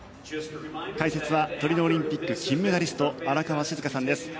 解説はトリノオリンピック金メダリスト荒川静香さんです。